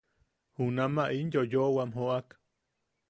Junama in yoyoʼowam joʼak.